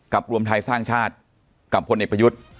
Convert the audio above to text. รวมไทยสร้างชาติกับพลเอกประยุทธ์